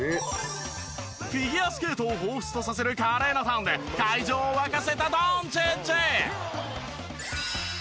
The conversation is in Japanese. フィギュアスケートを彷彿とさせる華麗なターンで会場を沸かせたドンチッチ！